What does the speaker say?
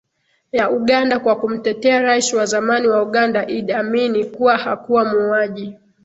ya Uganda kwa kumtetea rais wa zamani wa Uganda Idi Amin kuwa hakuwa muuaji